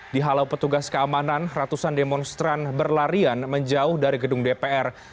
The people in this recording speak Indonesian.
dihalau petugas keamanan ratusan demonstran berlarian menjauh dari gedung dpr